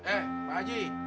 eh pak haji